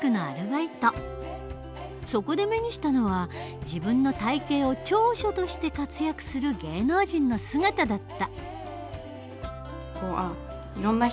そこで目にしたのは自分の体型を長所として活躍する芸能人の姿だった。